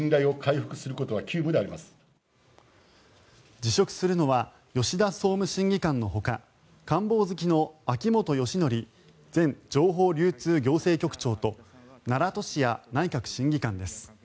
辞職するのは吉田総務審議官のほか官房付の秋本芳徳前情報流通行政局長と奈良俊哉内閣審議官です。